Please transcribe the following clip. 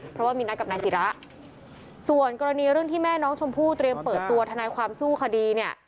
เพราะว่ามีนัดกับนายศิระส่วนกรณีเรื่องที่แม่น้องชมพู่เตรียมเปิดตัวทนายความสู้คดีเนี่ย